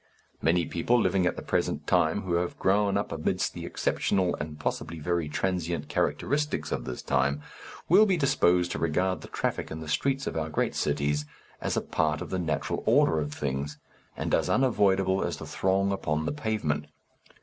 Many people living at the present time, who have grown up amidst the exceptional and possibly very transient characteristics of this time, will be disposed to regard the traffic in the streets of our great cities as a part of the natural order of things, and as unavoidable as the throng upon the pavement.